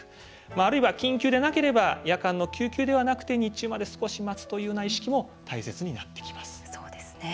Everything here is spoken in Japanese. あるいは緊急でなければ夜間の救急ではなくて日中まで少し待つというような意識も大切になってきます。